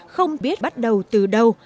không biết bắt đầu từ đâu